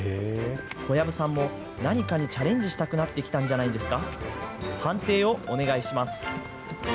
小籔さんも何かにチャレンジしたくなってきたんじゃないですか？